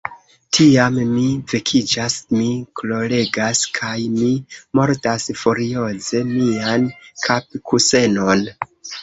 Tiam, mi vekiĝas, mi ploregas, kaj mi mordas furioze mian kapkusenon.